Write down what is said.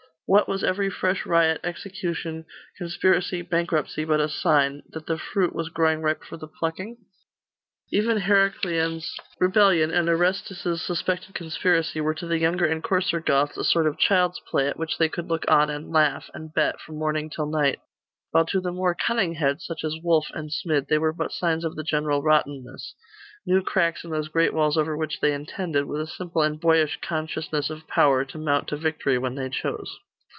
What was every fresh riot, execution, conspiracy, bankruptcy, but a sign that the fruit was growing ripe for the plucking? Even Heraclian's rebellion, and Orestes' suspected conspiracy, were to the younger and coarser Goths a sort of child's play, at which they could look on and laugh, and bet, from morning till night; while to the more cunning heads, such as Wulf and Smid, they were but signs of the general rottenness new cracks in those great walls over which they intended, with a simple and boyish consciousness of power, to mount to victory when they chose.